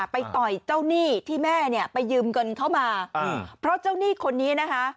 ไปต่อยเจ้าหนี้ที่แม่เนี่ยไปยืมเงินเข้ามาเพราะเจ้าหนี้คนนี้นะคะ